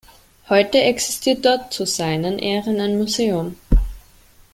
Heute existiert dort zu seinen Ehren ein Museum.